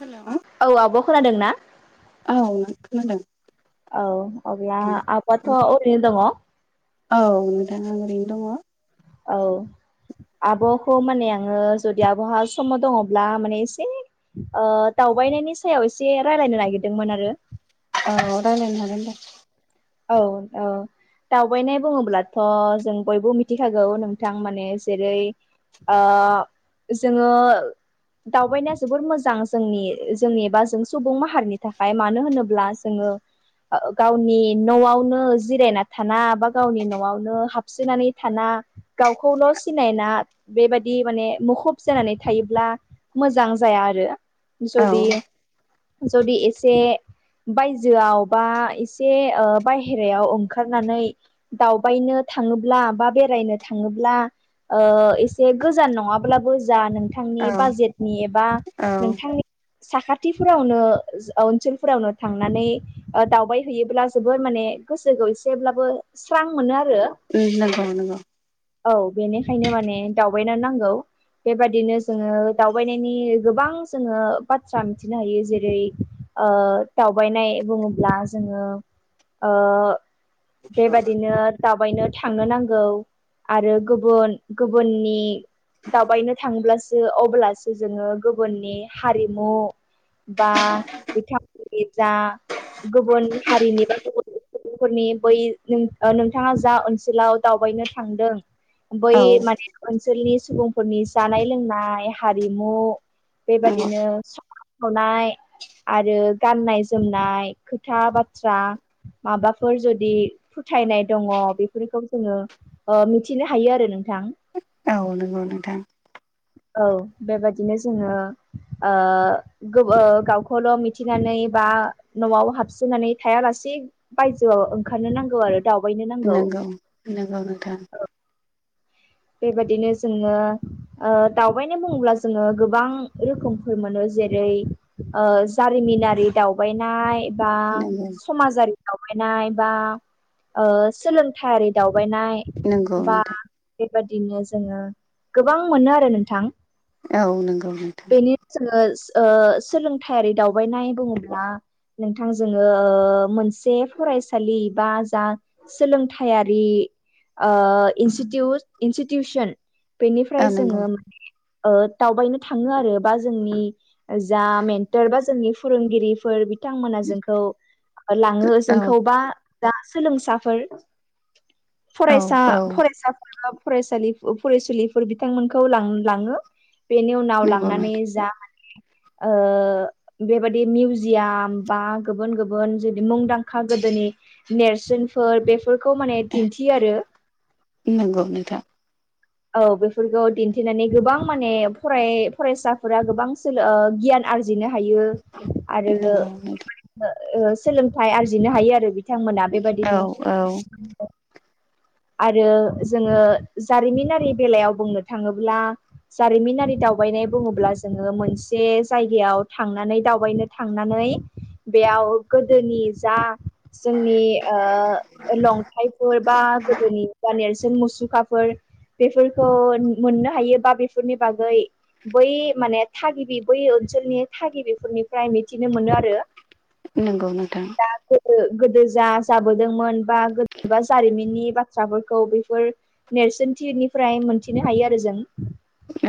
Hello? औ आब' खोनादों ना? खोनादों औ अब्ला आब'आथ' ओरैनो दङ? औ नोंथां आं ओरैनो दङ। औ। आब'खौ माने आङो जुदि आब'हा सम दङब्ला माने एसे दावबायनायनि सायाव एसे रायलायनो नागिरदोंमोन आरो। औ रायलायनो हागोन दे। औ औ। दावबायनाय बुङोब्लाथ' जों बयबो मिथिखागौ नोंथां माने जेरै ओ जोङो दावबायनाया जोबोर मोजां जोंनि जोंनि बा जों सुबुं माहारिनि थाखाय मानो होनोब्ला जोङो ओ गावनि न'आवनो जिरायना थाना बा गावनि न'आवनो हाबसोनानै थाना गावखौल' सिनायना बेबायदि माने मुखुब जानानै थायोब्ला मोजां जाया आरो। औ जुदि जुदि एसे बायजोआव बा एसे ओ बायहेरायाव ओंखारनानै दावबायनो थाङोब्ला बा बेरायनो थाङोब्ला ओ एसे गोजान नङाब्लाबो जा नोंथांनि औ बाजेटनि एबा औ नोंथांनि साखाथिफोरावनो ओनसोलफोरावनो थांनानै दावबाय हैैयोब्ला जोबोर माने गोसोखौ एसेब्लाबो स्रां मोनो आरो। उम नंगौ नंगौ। औ बेनिखायनो माने दावबायनानै नांगौ। बेबादिनो जोङो दावबायनायनि गोबां जोङो बाथ्रा मिथिनो हायो जेरै ओ दावबायनाय बुङोब्ला जोङो ओ बेबादिनो दावबायनो थांनो नांगौ आरो गुबुन गुबुननि दावबायनो थांब्लासो अब्लासो जोङो गुबुननि हारिमु बा बिथांमोननि जा गुबुन हारिनि बा सुबुंफोरनि बै नोंथाङा जा ओनसोलाव दावबायनो थांदों बै औ माने ओनसोलनि सुबुंफोरनि जानाय लोंनाय हारिमु नंगौ बेबादिनो सनाय आरो गाननाय जोमनाय खोथा बाथ्रा माबाफोर जुदि फोथायनाय दङ बेफोरखौ जोङो मिथिनो हायो आरो नोंथां औ नंगौ नोंथां औ बेबायदिनो जोङो ओ गावखौल' मिथिनानै बा न'आव हाबसोननानै थायालासे बायजोआव ओंखारनो नांगौ आरो दावबायनो नांगौ नंगौ नंगौ नोंथां बेबायदिनो जोङो ओ दावबायनाय बुङोब्ला जोङो गोबां रोखोमफोर मोनो जेरै ओ जारिमिनारि दावबायनाय बा नंगौ समाजारि दावबायनाय बा ओ सोलोंथायारि दावबायनाय नंगौ बा नोंथां बेबादिनो जोङो गोबां मोनो आरो नोंथां औ नंगौ नंगौ जोङो बेनि ओ सोलोंथायारि दावबायनाय बुङोब्ला नोंथां जोङो मोनसे फरायसालि बा जा सोलोंथायारि ओ इउ इनस्टिटिउसन बेनिफ्राय औ नंगौ जोङो ओ दावबायनो थाङो आरो बा जोंनि जा मेटार बा जोंनि फोरोंगिरिफोर बिथांमोना जोंखौ लाङोओ औ जोंखौबा दा सोलोंसाफोर औ फरायसा औ फरायसा फरासा फरायसुलिफोर बिथांमोनखौ रां लाङो बेनि नाव नंगौ लांनानै नोंथां जा माने ओ बेबायादि मिउजियाम बा गुबुन गुबुन जुदि मुंदांखा गोदोनि नेरसोनफोर बेफोरखौ माने दिन्थियो आरो नंगौ नोंथां औ बेफोरखौ दिन्थिनानै गोबां माने फरायसाफोरा गोबां सोलो गियान आरजिनो हायो आरो नंगौ नोंथां सोलोंथाइ आरजिनो हायो आरो बि बिथांमोना औ बेबायदिनो औ [inaudible] आरो जोङो जारिमिनारि बेलायाव बुंनो थाङोब्ला जारिमिनारि दावबायनाय बुङोब्ला जोङो मोनसे जायगायाव थांनानै दावबायनो थांनानै बेयाव गोदोनि जा जोंनि ओ लंथाइ फोर बा गोदोनि बा नेरसोन मुसुखाफोर बेफोरखौ मोननो हायोबा बेफोरनि बागै बै माने थागिबि बै ओनसोलनि थागिबिफोरनिफ्राय मिथिनो मोनो आरो। नंगौ नोंथां। गोदो जा जाबोदोंमोन बा बा जारिमिननि बाथ्राफोरखौ बेफोर नेरसोनथिनिफ्राय मोनथिनो हायो आरो जों।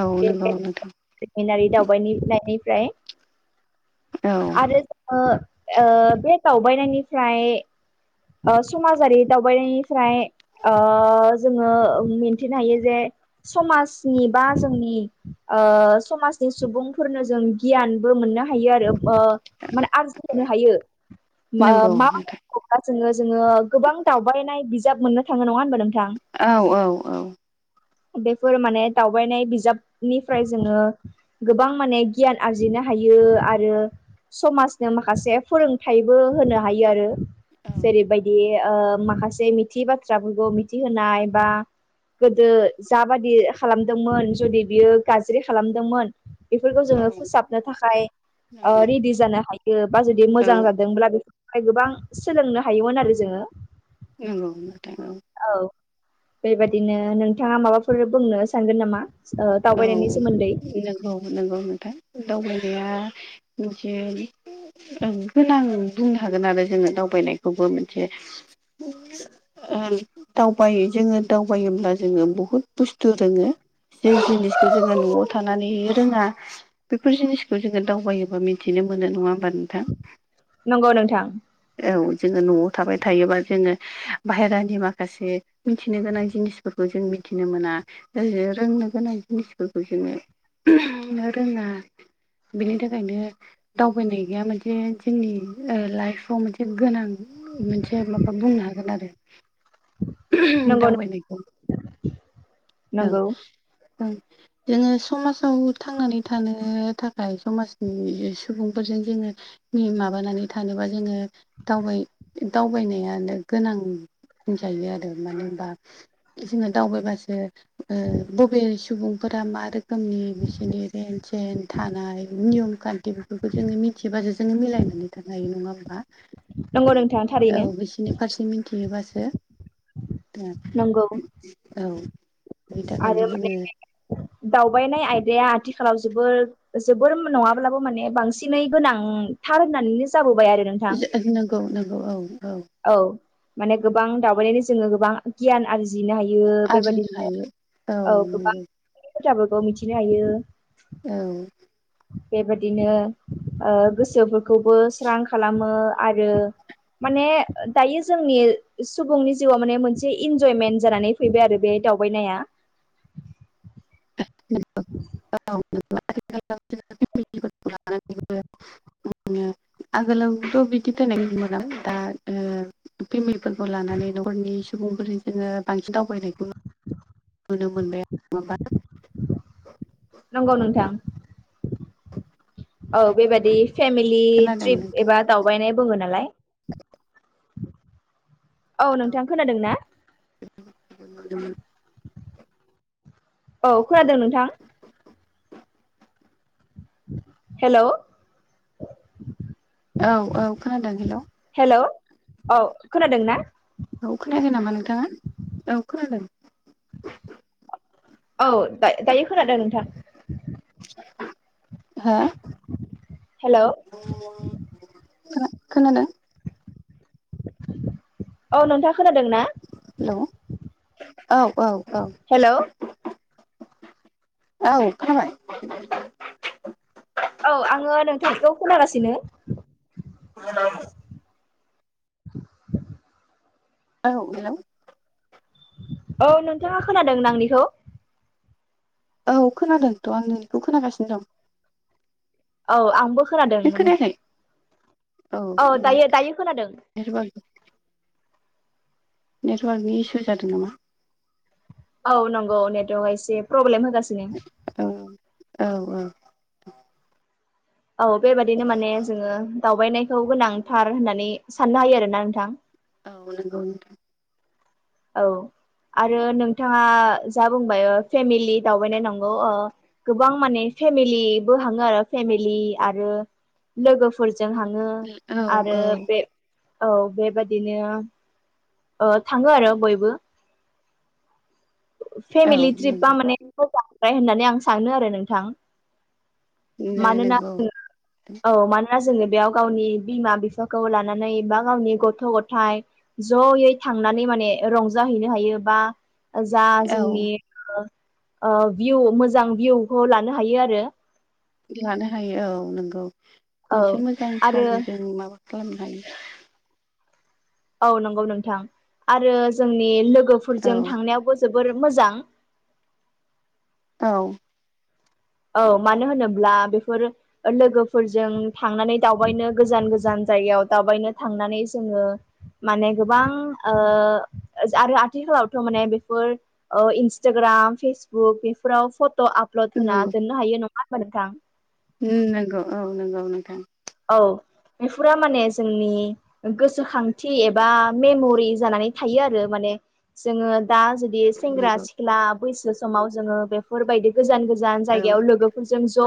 औ बे नंगौ नोंथां। जारिमिनारि दावबायनायनिफ्राय औ आरो ओ ओ बे दावबायनायनिफ्राय ओ समाजारि दावबायनायनिफ्राय ओ जोङो मिन्थिनो हायो जे समाजनि बा जोंनि ओ समाजनि सुबुंफोरनो जों गियानबो मोननो हायो आरो ओ माने आरजिहोनो हायो ओ नंगौ मा नोंथां अब्ला जोङो जोङो गोबां दावबायनाय बिजाब मोननो थाङो नङा होनबा नोंथां। औ औ औ। बेफोर माने दावबायनाय बिजाब निफ्राय जोङो गोबां माने गियान आरजिनो हायो आरो समाजनो माखासे फोरोंथायाइबो होनो हायो आरो। औ जेरैबायदि ओ माखासे थियि बाथ्राफोरखौ मिथिहोनाय बा गोदो जा बादि खालामदोंमोन जुदि बियो गाज्रि खालामदोंमोन बेफोरखौ औ जोङो फोसाबनो थाखाय ओ नंगौ रेडि जानो हायो। बा जुदि औ मोजां जादोंब्ला बेफोर गोबां सोलोंनो हायोमोन आरो जोङो। नंगौ नोंथां औ। औ बेबादिनो नोंथाङा माबाफोर बुंनो सानगोन नामा? ओ दावबायनायनि सोमोन्दै औ नंगौ नंगौ नोंथां दावबायनाया मोनसे ओं बुंनो हागोन आरो जोङो दावबायनायखौबो मोनसे। औ। दावबाय जोङो दावबायोब्ला जोङो बुहुद बुस्थु रोङो। जे जिनिसखौ जोङो न'आव थानानै रोङा बेफोर जिनिसखौ जोङो दावबायोबा मिथिनो मोनो नङा होमबा नोंथां? नंगौ नोंथां औ जोङो न'आव थाबाय थायोबा जोङो बाहेरानि माखासे मिथिनो गोनां जिनिसफोरखौ जों मिथिनो मोना। रोंनो गोनां जिनिसफोरखौ जोङो रोङा। बिनि थाखायनो दावबायनाय गैया मोनसे जोंनि ओ लाइफआव मोनसे गोनां। मोनसे माबा बुंनो हागोन आरो। नंगौ दावबायनायखौ औ नंगौ औ। जोङो समाजाव थांनानै थानो थाखाय समाजनि सुबुंफोरजों जोङो नि माबानानै थानोबा जोङो दावबाय दावबायनायानो गोनां। बुंजायो आरो मानो होमबा जोङो दावबायबासो ओ ब जेरै सुबुंफोरा मा रोखोमनि बिसोरनि रेन सेन थानाय नियम खान्थि बे बेखौ जोङो मिथिबासो जोङो मिलायनानै थानो हायो नङा होमबा? नंगौ नोंथां औ थारैनो बिसिनि फारसे मिथियोबासो नंगौ औ बिनि आरो थाखायनो माने जोङो दावबायनाय आयदाया आथिखालाव जोबोद जोबोर नङाब्लाबो माने बांसिनै गोनांथार होननानैनो जाबोबाय आरो नों नंगौ नंगौ औ औ औ माने गोबां दावबायनायनि जोङो गोबां गियान आर जिनो हायो आरजिनो बेबायदििनो हायो औ गोबां खोथाफोरखौ मिथिनो हायो औ बेबादिनो गोसोफोरखौबो स्रां खालामो आरो माने दायो जोंनि सुबुंनि जिउआव माने मोनसे इनजयमेन्ट जानानै फैबाय आरो बे दावबायनाया [unintelligible] आगोलावथ' बिदि दोननाय नुनो मोनलामोन दा ओ फेमिलिफोरखौ लानानै न'खरनि सुबुंफोरजों जोङो बांसिन दावबायनायखौ नु नुनो मोनबाय नङाबा नंगौ नोंथां औ बेबाददि फेमिलि खोनादों ट्रिप नोंथां एबा दावबायनाय बुङो नालाय औ नोंथां खोनादों ना उ औ खोनादों नोंथां। हेल' औ औ खोनादों हेल'। हेल' औ खोनादों ना? औ खोनागोन नामा नोंथाङा? औ खोनादों। औ दा-दायो खोनादों नोंथां। हो हेल' खोना-खोनादों। औ नोंथाङा खोनादों ना? हेल' औ औ औ। हेल' औ खोराबाय। औ आङो नोंथांनिखौ खोनागासिनो। [unintelligible] [inaudible] औ हेल' औ नोंथाङा खोनादों नंनिखौ? औ खोनादोंथ' आं नोंनिखौ खोनागासिनो दं। औ आंबो खोनादों नों माने। खोनायाखै औ दायो दायो खोनादों। [unintelligible] नेटवार्कनि इसु जादों नामा। औ नंगौ नेटवर्कआ एसे प्रब्लेम होगासिनो। औ औ औ। औ बेबादिनो माने जोङो दावबायनायखौ गोनांथार होननानै साननो हायो आरोना नोंथां। औ नांगौ नोथा। औ आरो नोंथाङा जा बुंबाय फेमिलि दावबायनाय नंगौ ओ गोबां माने फेमिलिबो हाङो आरो फेमिलि आरो लोगोफोरजों हाङो नोंथां औ आरो औ बे औ बेबाददिनो ओ थाङो आरो बयबो। औ फेमिलि ट्रिपा नंगौ माने मोजां होननानै आं सानो आरो नोंथां। मानोना नंगौ औ मानोना जोङो बेयाव गावनि बिमा बिफाखौ लानानै बा गावनि गथ' गथाय जयै थांनानै माने रंजाहैनो हायो बा जा औ जोंनि ओ भिउ मोजां भिउखौ लानो हायो आरो। लानो हायो औ नोंगौ औ मोनसे मोजां आरो सम जों माबा खालामनो हायो। औ नंगौ नोंथां। आरो जोंनि लोगोफोरजों थांनायावबो जोबोर मोजां। औ। औ मानो होनोब्ला बेफोर लोगोफोरजों थांनानै दावबायनो गोजान गोजान जायगायाव दावबायनो थांनानै माने गोबां ओ आरो आथिखालावथ' माने बेफोर ओ इन्सटाग्राम फेसबुक बेफोराव फट' आपलड होना दोननो हायो नङा होनबा नोंथां? होम नंगौ औ नंगौ नोंथां। औ बेफुरा माने जोंनि गोसोखांथि एबा मेमरि जानानै थायो आरो माने जोङो दा जुग बेयो सेंग्रा नंगौ सिख्ला बैसो समाव जोङो बेफोरबायदि गोजान गोजान औ जायगायाव लोगो फोरजों ज'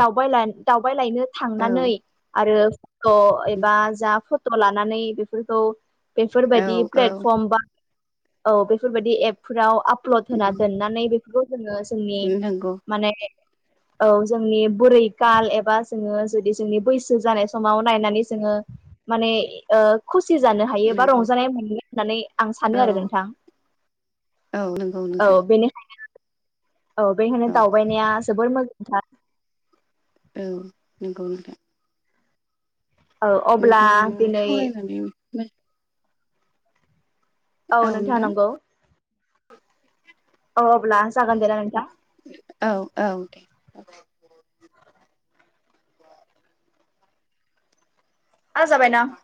दावबायलान-दावबायलायनो औ थांनानै आरो ग एबा जा फट' लानानै बेफोरखौ बेफोरबायदि औ औ प्लेटफर्म बा औ बेफोरबायदि एपफोराव आपलड होना दोननानै बे ‌ गौ जोङो जोंनि नंगौ माने औ जोंनि बुरै काल एबा जोङो जुदि जोंनि बैसो जानाय समाव नायनानै जोङो माने ओ खुसि जानो हायो बा नंगौ रंजानाय मोनगोन होननानै आं औ सानो आरो नोंथां। औ नंगौ औ नोंथां। बेनिखाय औ बेखायनो दावबायनाया जोबोर मोजां - ओं नंगौ नोंथां। ओ अब्ला नोंथांजों दिनै सावरायनानै औ नोंथां नंगौ। औ अब्ला जागोन दे जागोना नोंथां। औ औ दे ओ जाबाय दां